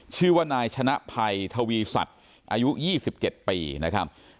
ชื่อว่านายชนะภัยทวีสัตว์อายุ๒๗ปีนะครับ